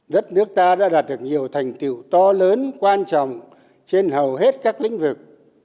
đất nước ta đã đạt được nhiều thành tiệu to lớn quan trọng trên hầu hết các lĩnh vực